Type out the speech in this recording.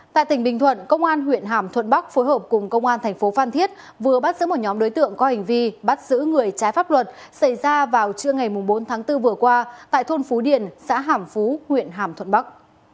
tại tỉnh bình thuận công an huyện hàm thuận bắc phối hợp cùng công an thành phố phan thiết vừa bắt giữ một nhóm đối tượng có hành vi bắt giữ người trái pháp luật xảy ra vào trưa ngày bốn tháng bốn vừa qua tại thôn phú điền xã hàm phú huyện hàm thuận bắc